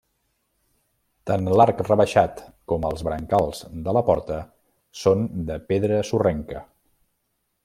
Tant l'arc rebaixat com els brancals de la porta són de pedra sorrenca.